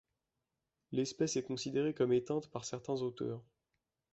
L'espèce est considérée comme éteinte par certains auteurs.